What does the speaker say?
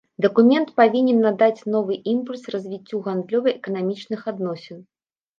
Дакумент павінен надаць новы імпульс развіццю гандлёва-эканамічных адносін.